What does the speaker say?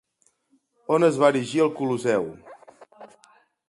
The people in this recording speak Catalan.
On es va erigir el Colosseu?